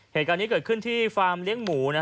เหตุการณ์นี้เกิดขึ้นที่ฟาร์มเลี้ยงหมู